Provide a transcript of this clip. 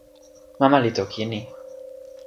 mama li toki e ni.